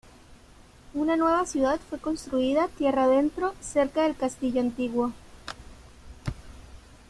Una nueva ciudad fue construida tierra adentro cerca del castillo antiguo.